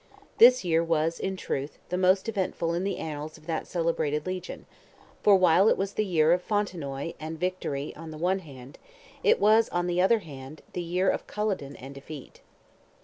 This year was in truth the most eventful in the annals of that celebrated legion, for while it was the year of Fontenoy and victory on the one hand, it was on the other the year of Culloden and defeat.